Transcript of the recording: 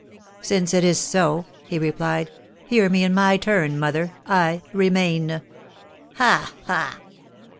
"Since it is so," he replied, "hear me in my turn, mother, I remain!" "Ha! ha!"